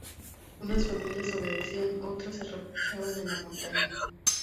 Unas familias obedecían; otras, se refugiaban en la montaña.